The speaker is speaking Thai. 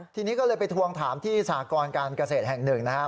ทีนี้ก็เลยไปทวงถามที่สหกรการเกษตรแห่งหนึ่งนะครับ